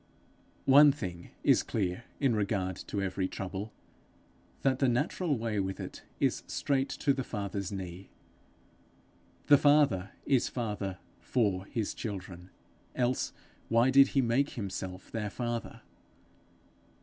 One thing is clear in regard to every trouble that the natural way with it is straight to the Father's knee. The Father is father for his children, else why did he make himself their father?